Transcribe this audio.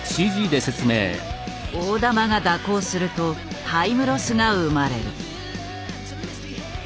大玉が蛇行するとタイムロスが生まれる。